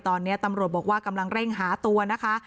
ตอนนี้ตำรวจบอกว่ากำลังเร่งหาตัวนะคะ